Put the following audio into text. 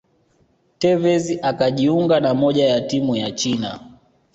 tevez akajiunga na moja ya timu ya China